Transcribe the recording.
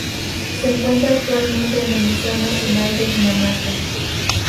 Se encuentra actualmente en el Museo Nacional de Dinamarca.